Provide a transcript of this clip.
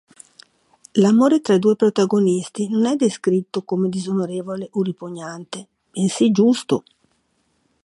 L'amore tra i due protagonisti non è descritto come disonorevole o ripugnante, bensì giusto.